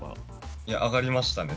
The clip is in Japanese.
上がりましたね。